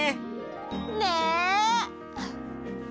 ねえ！